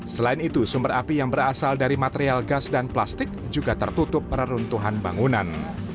selain itu sumber api yang berasal dari material gas dan plastik juga tertutup reruntuhan bangunan